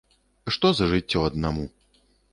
Што за жыццё аднаму?